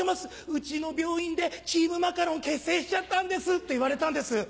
「うちの病院でチームマカロン結成しちゃったんです」って言われたんです。